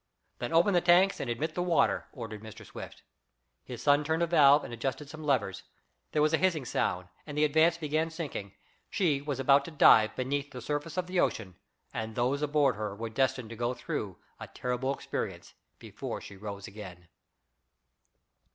"Then open the tanks and admit the water," ordered Mr. Swift. His son turned a valve and adjusted some levers. There was a hissing sound, and the Advance began sinking. She was about to dive beneath the surface of the ocean, and those aboard her were destined to go through a terrible experience before she rose again.